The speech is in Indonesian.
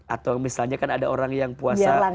atau misalnya kan ada orang yang puasa